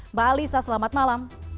mbak alisa selamat malam